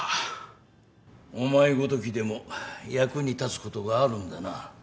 お前ごときでも役に立つことがあるんだな。